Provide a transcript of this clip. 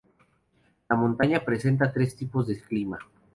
La montaña presenta tres tipos de clima.